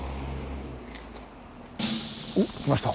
おっ来ました。